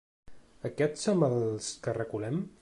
Aquests som els que reculem?